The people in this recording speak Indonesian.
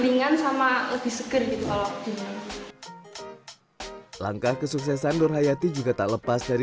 ringan sama lebih seger gitu kalau langkah kesuksesan nur hayati juga tak lepas dari